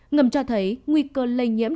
ngầm cho thấy nguy cơ lây nhiễm